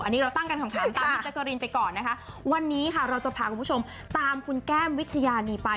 อันนี้เราตั้งกันคำถามตามพี่แจ๊กกะรีนไปก่อนนะคะวันนี้ค่ะเราจะพาคุณผู้ชมตามคุณแก้มวิชญานีไป